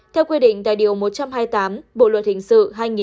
theo quy định tại điều một trăm hai mươi tám bộ luật hình sự hai nghìn một mươi năm